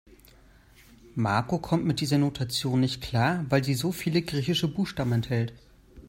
Marco kommt mit dieser Notation nicht klar, weil sie so viele griechische Buchstaben enthält.